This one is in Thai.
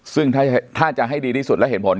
ซึ่งถ้าจะให้ดีที่สุดและเห็นผล